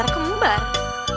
emang gak kembaran